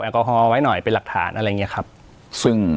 กอฮอลไว้หน่อยเป็นหลักฐานอะไรอย่างเงี้ยครับซึ่ง